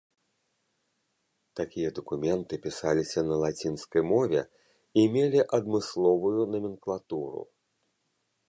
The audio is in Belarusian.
Такія дакументы пісаліся на лацінскай мове і мелі адмысловую наменклатуру.